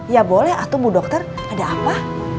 ya boleh atau mau dokter ada apa